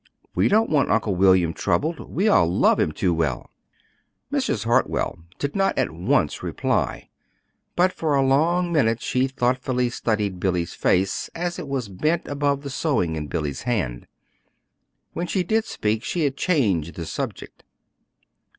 "We don't want Uncle William troubled: we all love him too well." Mrs. Hartwell did not at once reply; but for a long minute she thoughtfully studied Billy's face as it was bent above the sewing in Billy's hand. When she did speak she had changed the subject.